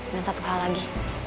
dan satu hal lagi